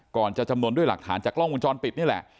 จะจำนวนด้วยหลักฐานจากกล้องวงจรปิดนี่แหละ